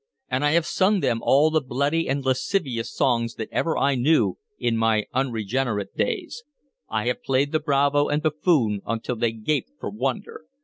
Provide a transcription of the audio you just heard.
And I have sung them all the bloody and lascivious songs that ever I knew in my unregenerate days. I have played the bravo and buffoon until they gaped for wonder.